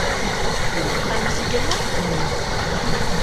Allons-y gaiement !